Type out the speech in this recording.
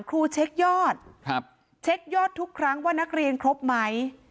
ครูเช็คยอดเช็คยอดทุกครั้งว่านักเรียนครบไหม